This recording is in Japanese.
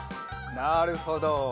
なるほど！